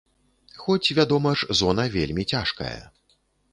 Хоць, вядома ж, зона вельмі цяжкая.